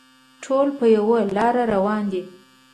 ټول په یوه لاره روان دي.